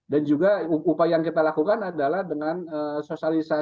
dan juga upaya yang kita lakukan adalah dengan sosialisasi